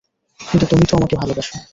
কিন্তু তুমি তো আমাকে ভালোবাসো।